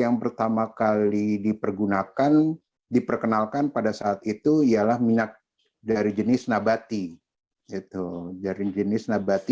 yang pertama kali tergunakan diperkenalkan pada saat yaitu irrigasi dari jenis nabati sesuai jari